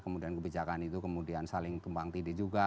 kemudian kebijakan itu kemudian saling tumpang tindih juga